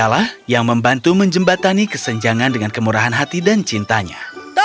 dan manusialah yang membantu menjembatani kesenjangan dengan kemurahan hati dan cintanya